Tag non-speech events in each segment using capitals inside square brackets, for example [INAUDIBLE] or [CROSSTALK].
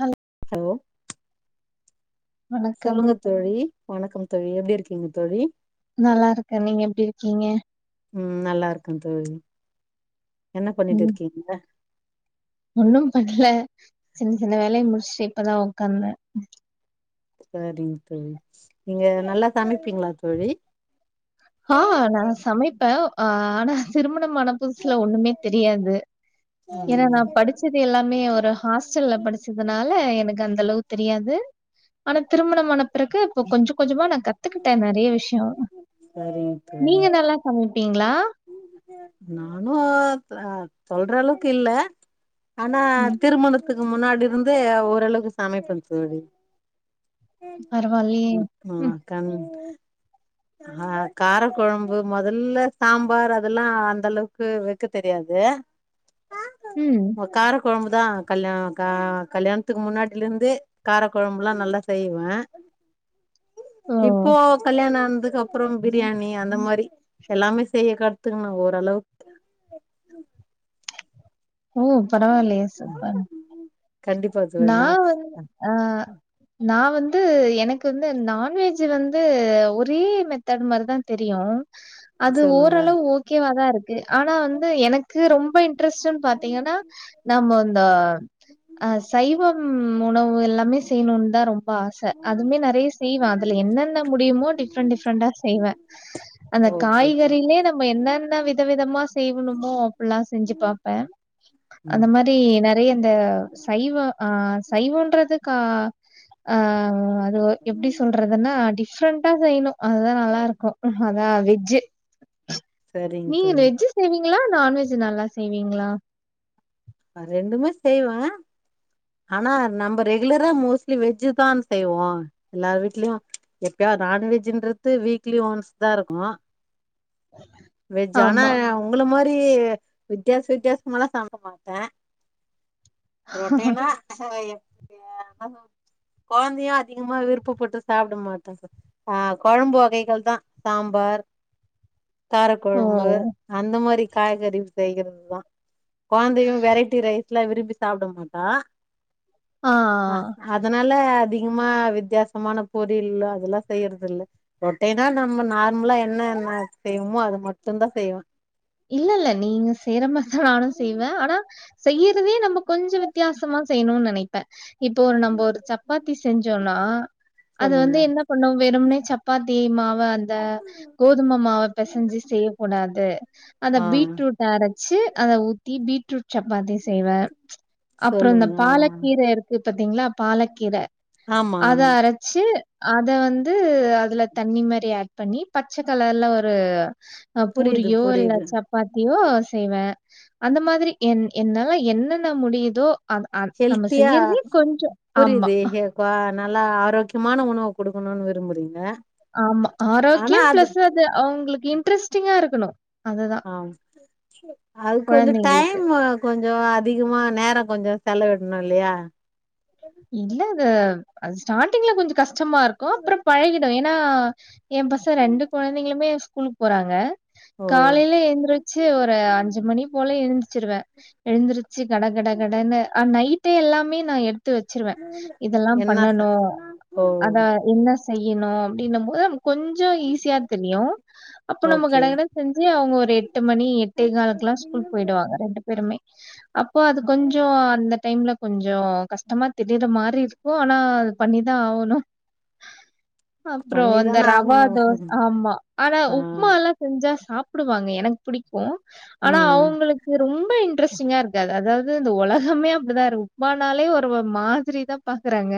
Hello ஓ வணக்கம் சொல்லுங்க தோழி வணக்கம் தோழி எப்படி இருக்கீங்க தோழி நல்லாருக்கே நீங்க எப்டியிருக்கீங்க ம் நல்லாயிருக்கே தோழி என்ன பண்ணிட்டு ம் இருக்கீங்க ஒன்னும் பண்ல சின்ன சின்ன வேலைய முடிச்சுட்டு இப்பதா உக்காந்தே சரிங் தோழி நீங்க நல்லா சமைப்பீங்ளா தோழி ஆ நா சமைப்பேன் ஆ ஆனா திருமணமான புதுசுல ஒண்ணுமே தெரியாது ஏன்னா ம் நா படிச்சது எல்லாமே ஒரு ஹாஸ்டல்ல படிச்சதுனால எனக்கு அந்த அளவு தெரியாது ஆனா திருமணமான பிறகு இப்ப கொஞ்ச கொஞ்சமா நா கத் துக்கிட்டே நெறைய விஷயோ சரிங்க தோழி நீங்க நல்லா சமைப்பீங்ளா நானு தா சொல்ற அளவுக்கு இல்ல ஆனா ம் திருமணத்துக்கு முன்னாடிருந்தே ஓரளவுக்கு சமைப்பேங் தோழி பரவால்லயே அ கண் அ காரக்கொழம்பு மொதல்ல சாம்பார் அதெல்லா அந்த அளவுக்கு வெக்க தெரியாது ம் கார கொழம்பு தா கல்யா ஆ கல்யாணத்துக்கு முன்னாடிலருந்தே காரக்கொழம்லா நல்லா செய்வே ஓ இப்போ கல்யானோ ஆனதுக்கப்ரோ பிரியாணி அந்த மாரி எல்லாமே செய்ய கத்துக்குனு ஓரளவுக்கு ஓ பரவால்லயே சூப்பர் கண்டிப்பா தோழி நா வந் நா வந்து எனக்கு வந்து நான்வெஜ் வந்து ஒரே மெத்தட் மாரிதா தெரியு அது சொல்லுங்க ஓரளவு ஓகேவா தா இருக்கு ஆனா வந்து எனக்கு ரொம்ப இன்ட்ரெஸ்ட்ன்னு பாத்தீங்கன்னா நம்ம அந்த ஆ சைவம் உணவு எல்லாமே செய்யணுன்னு தா ரெம் ஆச அதுமே நெறைய செய்வே அதுல என்னென்ன முடியுமோ டிஃப்ரெண்ட் டிஃப்ரெண்டா செய்வே அந்த ஓகே காய்கறிலே தோழி நம்ம என்னென்ன வி வித விதமா செய்ணுமோ அப்டுல்லா செஞ்சு பாப்பே ம் அந்த மாரி நெறைய இந்த சைவ ஆ சைவன்றது கா ஆ அது ஒ எப்டி சொல்றதுன்னா டிஃப்ரெண்டா செய்ணு அதுதா நல்லாருக்கும் அதா வெஜ்ஜு சரிங்க நீங்க தோழி வெஜ் செய்வீங்களா நான்வெஜ் நல்லா செய்வீங்களா நா ரெண்டுமே செய்வே ஆனா நம்ம ரெகுலரா மோஸ்ட்லி வெஜ்ஜு தா செய்வோ எல்லார் வீட்லயு எப்பயா நான்வெஜ்ன்றது வீக்லி ஓன்ஸ் தா இருக்கும் வெஜ்ஜ் ஆனா ஆமா. உங்கள மாரி வித்தியாச வித்தியாசமால்லா சாமப்பமா ஆ ரொட்டெனா கொழந்தையு அதிகமா விருப்பப்பட்டு சாப்ட மாட்டது ஆ கொழம்பு வகைகள் தா சாம்பார் காரக் ஓ! கொழம்பு அந்த மாரி காய்கறி செய்றதுதா கொழந்தையு வெரைட்டி ரைஸ்ல்லா விரும்பி சாப்ட மாட்டா ஆ அதனால அதிகமா வித்தியாசமான பொரியல்லா அதெல்லா செய்றதில்ல ரொட்டைனா நம்ம நார்மலா என்ன என்ன செய்வோமோ அது மட்டும் தா செய்வோ இல்ல இல்ல நீங்க செய்ற மாரிதா நானு செய்வே ஆனா செய்யறதே நம்ம கொஞ்சோ வித்தியாசமா செய்யணுன்னு நெனைக் ப்பே இப்போ ஒரு நம்போ ஒரு சப்பாத்தி செஞ்சோன்னா அத சொல்லுங்க வந்து என்ன பண்ணு வெறும்னே சப்பாத்தி மாவ ந்த கோதும மாவ பெசன்ஞ்சு செய்யக்கூடாது அத ஆ பீட்ரூ அரச்சு அத ஊத்தி பீட்ரூட் சப்பாத்தி செய்வே அப்றோ இந்த சொல்லுங்க ஆ பாலக்கீர இருக்கு பத்தீங்களா பாலக்கீர ஆமா அத ஆமா அர ச்சி அத வந்து அதுல தண்ணி மாதிரி ஆட் பண்ணி பச்ச கலர்ல ஒரு ஆ புரியுது பூரியோ இல்ல புரியுது பாத்தியோ செய்வே அந்த மாதிரி என் என்னால என்னென்ன முடியுதோ அத அ நம்ம ஹெல்த்தியா செய்யறதயு கொஞ்சோ ஆமா இப்ப நல்லா ஆரோக்கியமான உணவ குடுக்கணுன்னு விரும்புறீங்க ஆமா ஆரோக்கியம் பிளஸ் அது அவங்களுக்கு இன்ட்ரெஸ்ட்டிங்கா இருக்கணும் அதுதான் ஆ அது கொஞ்ச குழந்தைங்களுக்கு. டைம் கொஞ்சோ அதிகமா நேரோ கொஞ்சோ செலவிடணும் இல்லையா இல்ல அது அது ஸ்டார்டிங்ல கொஞ்ச கஷ்டமா இருக்கு அப்பறோ பழகிடு ஏன்னா ஏ பச ரெண்டு கெழந்தைங்களுமே ஸ்கூலுக்கு போறாங்க ஓ காலையில எந்திருச்சி ஒரு அஞ்சு மணி போல எந்துச்சிருவே எழுந்துருச்சி கட கட கடன்னு அ நைட்டே எல்லாமே நா எடு த்து வெச்சிருவ இதல்லா என்ன ச பண்ணணு ஓ அதா என்ன செய்யணு அப்டின்னும் போது கொஞ்சோ ஈஸியா தெரியு அப்ப நம்ம ஓகே கடகட செஞ்சி அவங்க ஒரு எட்டு மணி எட்டேகாலுக்குலா ஸ்கூல் போயிடுவாங்க ரெண்டு பேருமே அப்போ அது கொஞ்சோ அந்த டைம்ல கொஞ்சோ கஷ் டமா தெரிற மாரி இருக்கு அனா அது பண்ணிதா ஆவணு அப்பறோ அந்த பண்ணிதான ரவா ஆகணு. தோஸ் ஆமா அனா ஆ உப்மாலா செஞ்சா சாப்புடுவாங்க எனக்கு புடிக்கு அனா ம் அவுங்களுக் கு ரொம்ப இன்ட்ரெஸ்டிங்கா இருக்காது அதாவது இந்த உலகமே அப்படிதா இருக்கு உப்பானாலே ஒ ரு மாதிரி தா பாக்கறாங்க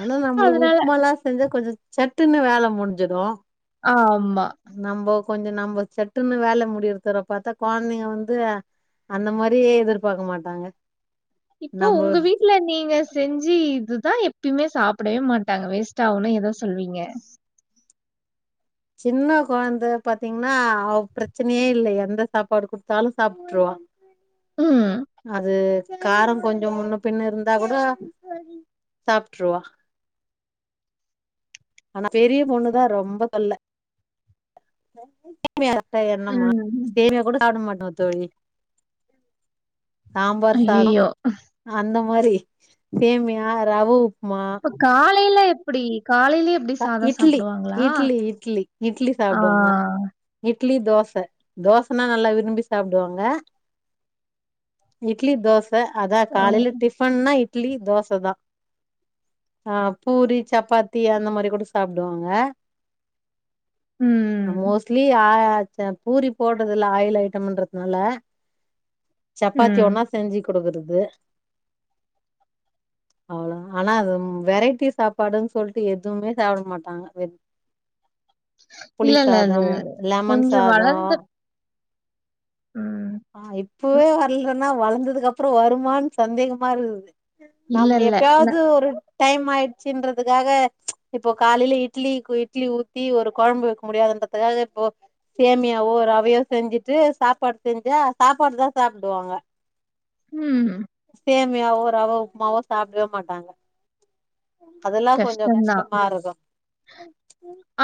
அனா நம்பளுக்கு உப்மாலா செஞ்சா கொஞ்சோ சட்டுன்னு வேல முடிஞ்சிரு ஆ ஆம்மா நம்போ கொஞ்சோ நம்ம சட்டுன்னு வேல முடியறதர பாத்தா கொழந்தைங்க வந்து அந்த மாரியே எதிர்பாக்க மாட்டாங்க இப்ப நம்ப உங்க வீ ட்டுல நீங்க செஞ்சி இதுதா எப்பயுமே சாப்படவே மாட்டாங்க வேஸ்ட் ஆவுனா எத சொல்வீங்க சின்ன கொழந்த பாத்திங்ன்னா அவ பிரச்சனையே இல்ல எந்த சாப்பாடு குடுத்தாலு சாப்ட்ருவா ம். அது காரோ கொஞ்சோ முன்ன பின்ன இருந்தா கூட சாப்ட்ருவா அனா பெரிய பொண்ணுதா ரொம்ப தொல்ல [INAUDIBLE] மியா இருந்தா என்னமா ம். சேமியா கூட சாப்பட மாட்டன தோழி சாம்பார் சா ஐயய்யோ! [INAUDIBLE] அந்த மாரி சேமியா ரவ உப்புமா இப்ப காலையில எப்படி காலையிலயே எப்படி க சாதம் இட்லி சாப்பிடுவாங்களா? இட்லி இட்லி இட்லி ஆ. சாப்புடுவாங்க இட்லி தோச தோசன்னா நல்லா விரும்பி சாப்டுவாங்க இட்லி தோச அதா ஓ! காலையில டிப் பன்னா இட்லி தோச தா ஆ பூரி சப்பாத்தி அந்த மா ரி கூட சாப்டுவாங்க அ ம். மோஸ்ட்லி யா [UNINTELLIGIBLE] பூரி போட்டதுல்ல ஆயில் ஐட்டம்ன்றதுனால சப்பாத்தி ம். ஒன்னா செஞ்சிக் குடுக்கறது அவ்ளதா அனா அது ம் வெரைட்டி சாப்பாடுன் சொல்ட்டு எ எதுவுமே சாப்பட மாட்டாங்க வெத் புளி இல்ல, இல்ல. அது சாதம் லெமன் கொஞ்சம் சாதோ வளர்ந்த ம் ஆ இப்பவோ ம். வர்லன்னா வளந்ததுக்கு அப்பறோ வருமான் சந்தேகமா இருக்குது இல்ல, நாம் இல்ல. ந எப்பயாவது ஒரு டைம் ஆயிருச்சின்றதுக்காக இப்போ காலையில இட்லிக்கு இட்லி ஊத்தி ஒரு கொழம்பு வெக்க முடியாதுன்ற தூக்காக இப்போ சேமியாவோ ரவையோ செஞ்சுட்டு சாப்பாடு செஞ்சா சாப்பாடுதா சாப்டுவாங்க ம் சேமியாவோ ரவ உப்புமாவோ சாப்டவே மாட்டாங்க அதல்லா கொஞ்சோ கஷ்டம் தான். கஷ்டமா இருக்கு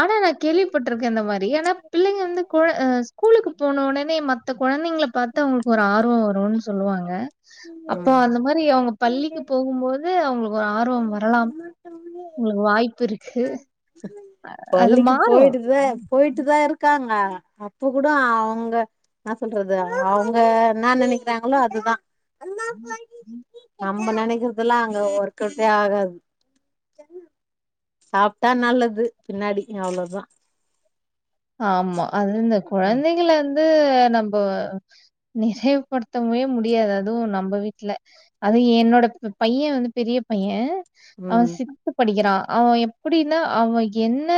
ஆனா நா கேள்விப்பட்டிருக்கே இந்த மாரி ஆனா பிள்ளைங்க வந்து கோழ கூலுக்கு போன உடனே மத்த கொழந்தைங்கள பாத்து அவுங்களுக்கு ஒரு ஆர்வம் வரும்னு சொல்லுவாங்க அப்போ ம் அந்த மாரி அவுங்க பள்ளிக்கு போகும் போது து அவுங்களுக்கு ஒரு ஆர்வம் வரலா உங்களுக்கு வாய்ப்பு இருக்கு அது பள்ளிக்கு மாறும். போயிட்டு தா போயிட்டு தா இரு க்காங்க அப்ப கூட அவுங்க னா சொல்றது அவுங்க என்னா நெனைக்கிறாங்களோ அதுதா ம் ம் நம்ம நெனைக்கிறதெல்லா அங்க ஒர்கவுட்டே ஆகாது சாப்ட்டா நல்லது பின்னாடி அவ்ளோ தா ஆமா அது இந்த அ கொழந்தைங்கள வந்து நம்ப நிறைவுப்படுத்தவே முடியாது அதுவு நம்ப வீட்ல அது என்னோட பையன் வந்து பெரிய பைய அவன் ம் சி த்து படிக்கிறா அவன் எப்டின்னா அவ என்ன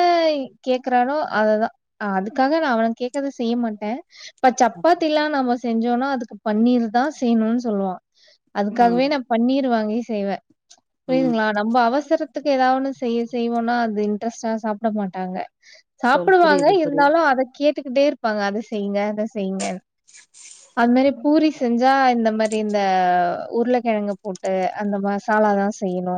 கேக்குறானோ அததா ஆ அதுக்காக நா அவன கேக்குறத செய்ய மாட்டே இப்ப சப்பாத்தி எல்லாம் நம்ம செஞ்சோனா அதுக்கு பன்னீர் தா செய்யணுனு சொல்லுவா அதுக்காகவே நா ம் பன்னீர் வாங்கி செய்வே ம் புரியுதுங்களா நம்ம அவசரத்துக்கு ஏதா ஒன்னு செய்ய செய்வோனா அது இன்ட்ரெஸ்ட்டா சாப்பிட மாட்டாங்க சொல் சாப்பிடுவாங் புரியுது புரியுது அத கேட்டுக்கிட்டே இருப்பாங்க அத செய்யுங்க இத செய்யுங்க அது மாரி பூரி செஞ்சா இந்த மாரி இந்த உருளைக்கெழங்கு போட்டு அந்த மசாலாதா செய்யணு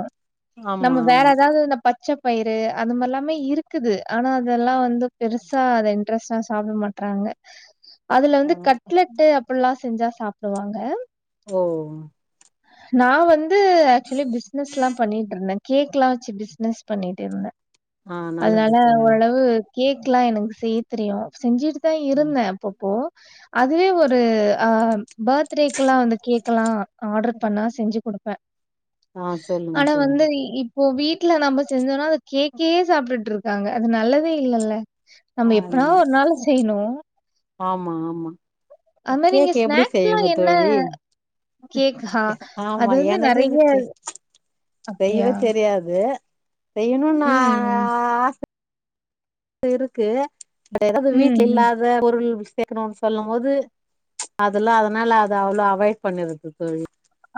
ஆமா நம்ம வேற ஆமா ஏதாவது இந்த பச்ச பயிறு அது மாரிலாமே இருக்குது ஆனா அதெல்லா வந்து பெருசா அத இன்ட்ரெஸ்டா சாப்பிட மாட்றாங்க அதுல ஆ வந்து க ட்லெட் அப்பில்லா செஞ்சா சாப்பிடுவாங்க ஓ நா வந்து ஆக்ஷுவலி பிசினஸ்லா பண்ணிட்டு இருந்தே கேக்லா வச்சு பிஸ்னஸ் பண்ணிட்டு இருந்தே ஆ நல்லது அதனால தோழி ஓரளவு கேக்லா எனக்கு செய்ய தெரியு செஞ்சுட்டுதா ம் இருந்தே அப்பப்போ அதுவே ஒரு அ பர்த்டேக்கு எல்லா வந்து கேக் எல்லா ஆட்ரு பண்ணா செஞ்சு குடுப்பே [INAUDIBLE] சொல்லுங்க ஆனா வந்து சொல்லுங்க இப் இப்ப வீட்ல நம்ம செஞ்சோனா அத கேக்கயே சாப்ட்டுட்டு இருக்காங்க அது நல்லதே இல்லல்ல நம்ம ஆமா எப்பனா ஒரு நாளு செய்யணு ஆமா ஆமா அது மாரி நீங்க கேக் எப்டி ஸ்நாக்ஸ்லாம் செய்வீங்க என்ன தோழி கேக்கா? அது ஆமா வந்து எனக்கு நெறைய இருக்கு அப்டியா? செய்வே தெரியாது செய்யணுனு நா ம், ஆச ச இருக்கு ம், வீட்ல ம். இல்லாத பொருள் சேக்கணுனு சொல்லம் போது அதெல்லா அதனால அது அவ்ளோ அவாய்ட் பண்ணிருது தோழி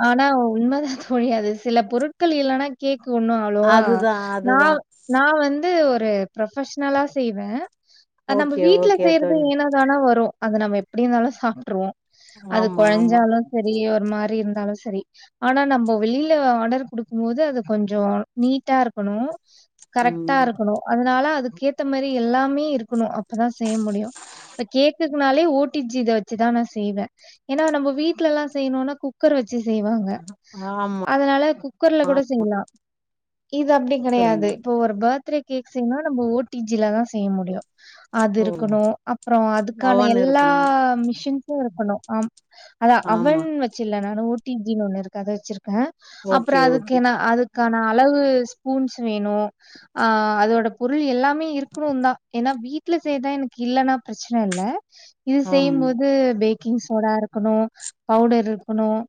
ஆனா உண்மதா தோழி அது சில பொருட்கள் இல்லனா கே்ககு ஒன்னு அவ்ளவா அதுதா நா அதுதா நா வந்து ஒரு ப்ரொஃபஷ்னலா செய்வே அ நம்ப ஓகே வீட்ல ஓகே செய்றது தோழி ஏனோ தானோ வரு அத நம்ம எப்டி இருந்தாலு சாப்பிட்ருவோ அது ஆமா ஆமா கொழஞ்சாலு சேரி ஒரு மாரி இருந்தாலு சேரி ஆனா நம்போ வெளில ஆடர் குடுக்கும் போது அது கொஞ்சோ நீட்டா இருக்கணு கரெக்டா ம் இருக்கணு அதுனால அதுக்கு ஏத்த மாரி எல்லாமே இருக்கணு அப்பதா செய்ய முடியு இப்ப கேக்குக்குனாலே ஓட்டிச்சு இத வச்சுதா நா செய்வே ஏனா நம்ம வீட்லலா செய்யணுனா குக் குக்கர் வச்சு செய்வாங்க ஆமா அதனால குக்கர்ல கூட செய்யலா இது அப்டி சொல்லுங்க கெடையாது இப்போ ஒரு பர்த்டே கேக் செய்னா நம்ம ஓடிஜில தா செய் முடியும் அது ஓ இருக்கணும் அப்றோ அதுக்கான அவன்னு எல்லா இருக்குங்க மிஷின் இருக்கணும் ஆம் அத ஆமா அவன் வச்சல நானு ஓடிஜின் ஒண்ணு இருக்கு அத வச்சிருக்கேன் அப்புற ஓகே அதுக்கு ஓகே என்ன அதுக்கான அளவு ஸ்பூன்ஸ் வேணும் ஆ அதோட பொருள் எல்லாமே இருக்ணும் தா ஏன்னா வீட்ல செய்தா எனக்கு இல்லன்னா பிரச்சன இல்ல இது ஆமா செய்யும்போது பேக்கிங் சோடாருக்கணும் பவுடர் இருக்கணும்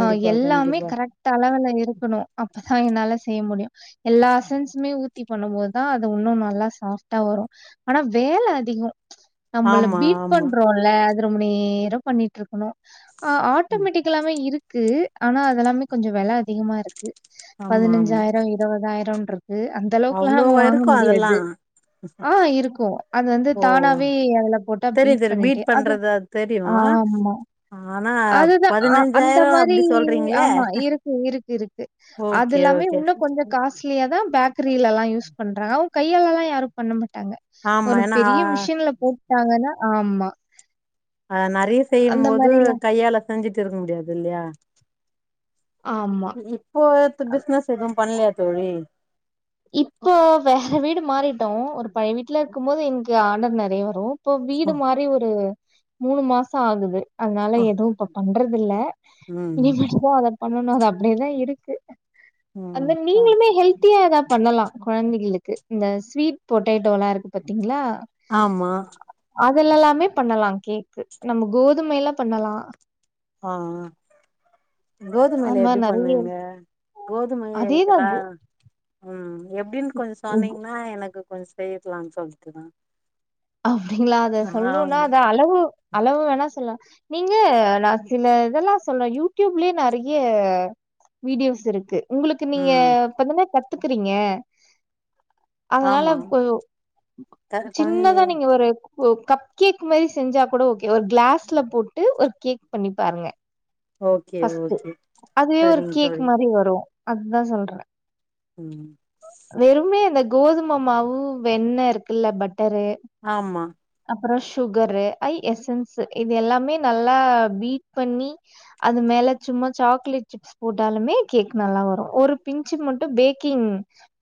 அ எல்லாமே கண்டிப்பா கரெக்ட் அளவுல இருக்கணும் அப்பதா என்னால செய்ய முடியு எல்லா அசன்ஸுமே ஊத்தி பண்ணும் போதான் அது ஒன்னு நல்லா சாஃப்டா வரும் ஆனா வேல அதிகோம் நம்மள ஆமா பீட் ஆமா பண்றோல அது ரொம்ப நேர பண்ணிட்டு இருக்கணும் ஆ ம் ஆட்டோமெட்டிக் கெல்லாமே இருக்கு ஆனா அதெல்லாமே கொஞ்ச வெல அதிகமா இருக்கு ஆமா ஆமா பதினஞ்சாயிரம் இரு பதாயிரம் ட்ருக்கு அந்த அளவுக்கெல்லா அவ்ளோ நம்ம வாங்க இருக்கு அதெல்லா முடியாது ஆ இருக்கு அது வந்து ஓ தானாவே அதுல போட்டா தெரியு பீட் தெரியு பண்ணிட்டு அது ஆம்மா ஆனாப் பா ஆ அந்த மாரி ஆமா இருக்கு இருக்கு இருக்கு அது ஓகே எல்லாமே ஓகே இன்னு கொஞ்ச காஸ் ச்சே அதா பேக்கரியிலல்லாம் யூஸ் பண்ற கையால லெல்லாம் யாரும் பண்ண மாட் டாங்க ஆமா ஒரு ஏன்னா பெரிய மிஷின்ல போட்டாங்கன்னா ஆமா அ நெறைய செய்யும் அந்த போது மாரி கையால செஞ்சுட்டு இருக்க முடியாது இல்லயா ஆமா இப்போ து பிஸ்னஸ் எதும் பண்லயா தோழி இப்போ வேற வீடு மாறிட்டோம் ஒரு பழைய வீட்லருக்கும் போது எங்க்கு ஆடர் நெறைய வரும் இப்போ வீடு ஓ, மாரி ஒரு மூணு மாசோ ஆகுது அதனால ஓ, எதும் இப்ப பண்றதுல்ல ம் இனி மட்டும் தா அத பண்ணணும் அது அப்படியேதா இருக்கு அந்த ம் ஆ நீங்களுமே ஹெல் தியா எதா பண்ணலாம் கொழந்தைகளுக்கு இந்த ஸ்வீட் பொட்டேட்டோ எல்லாம் இருக்கு பாத்தீங்ளா ஆமா அதுல்ல எல்லாமே பண்ணலாம் கேக்கு நம்ம கோதுமைையல பண்ணலா ஆ அது கோதுமைையில மாரி எப்டி நெறைய பண்ணுவீங்க கோதுமைல அதேதா எதுகுதா உம் எப்டின் கொஞ்ச சொன்னீங்கன்னா எனக்கு கொஞ்ச செய்யக்லா சொல்ட்டுதா அப்டிங்களா அத சொல்லும்னா ஆமா அத அளவு அளவு வேணா சொல்ல நீங்க நா சில இதெல்லாம் சொல்ல யூடியூப்லயே நறைய வீடியோஸ் இருக்கு உங்களுக்கு நீங்க ம் இப்பதான கத்துக்கிறீங்க அதனால ஆமா போ க கொஞ்ச ஜின்னதா நீங் ஒரு கப் கேக் மாரி செஞ்சா கொட ஓகே ஒரு க்ளாஸ்ல போட்டு ஒரு கேக் பண்ணி பாருங்க ஓகே ப்ஸ்க்கு ஓகே அதுவே ஒரு சரிங்க கேக்கு தோழி மாரி வரும் அதுதா சொல்ற உம் வெறும்மே அந்த கோதும மாவு வெண்ண இருக்குல்ல பட்டரு ஆமா அப்புறோ சுகரு ஐ எசன்ஸ் இது எல்லாமே நல்லா பீட் பண்ணி அது மேல சும்மா சாக்லேட் ச் போட்டாலுமே கேக் நல்லா வரும் ஒரு பிஞ்சு மட்டும் பேக்கிங்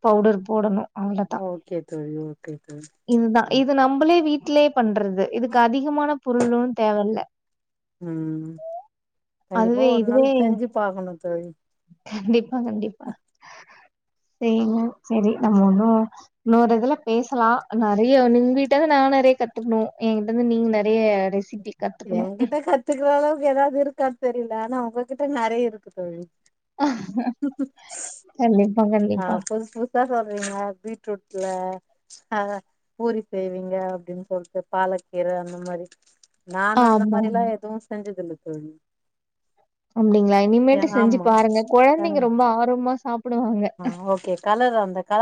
பவுடர் போடணும் அவ்ள ஓகே தோழி ட்ருக்கு இதுதான் இது நம்ளே வீட்லே பண்ணுறது இதுக்கு அதிகமான பொருள் ஒன்னு தேவ ம் கண்டிப்பா ஒரு நாள் இதுவே செஞ்சு பாக்கணும் தோழி கண்டிப்பா கண்டிப்பா செய்யனும் சரி நம்ம ஒண்ணும் இன்னொரு இதுல பேசலா நறைய உங் கிட்ட நா நறைய கத்துக்கணும் எங்கிட்ட இருந்து நீங்க நிறைய ரெசிபி கத்துக்கணும். என்கிட்ட கத்துக்கறளவுக்கு ஏதாவது இருக்கான்னு தெரில ஆனா உங்ககிட்ட நறைய இருக்கு தோழி [INAUDIBLE] [UNINTELLIGIBLE] ஆ புதுசு புதுசா சொல்றீங்க பீட்ரூட்ல ஆ பூரி செய்வீங்க அப்டின்னு சொல்லிட்டு பாலக்கீரை அந்த மாரி நானு அந்த ஆமா. மாரில்லா எதுவும் செஞ்சதில்ல தோழி அப்டிங்களா இனிமேட்டு செஞ்சு ஆமா பாருங்க கொழந்தைங்க ரொம்ப ஆர்வமா சாப்புடுவாங்க ஆ ஓகே கலர் அந்த கலர்